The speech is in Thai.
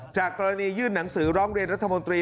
จากกรณียื่นหนังสือร้องเรียนรัฐมนตรี